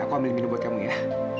aku ambil hidup buat kamu ya